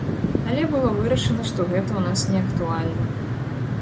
Але было вырашана, што гэта ў нас неактуальна.